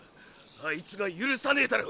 あいつが許さねえだろ。